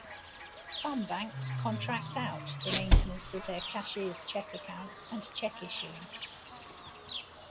Some banks contract out the maintenance of their cashier's check accounts and check issuing.